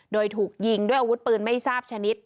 โดยถูกยิงด้วยอาวุธปืนไม่ทราบชนิด